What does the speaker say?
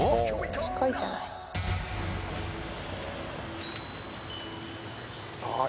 近いじゃない。